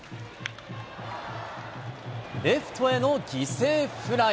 レフトへの犠牲フライ。